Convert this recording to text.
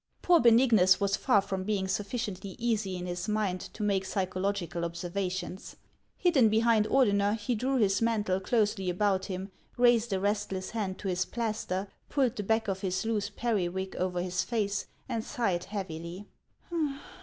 Poor Beuignus was far from being sufficiently easy in his mind to make psychological ob servations. Hidden behind Ordener, he drew his mantle closely about him, raised a restless hand to his plaster, pulled the back of his loose periwig over his face, and sighed heavily.